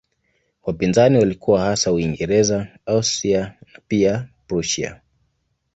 Wapinzani walikuwa hasa Uingereza, Austria na pia Prussia.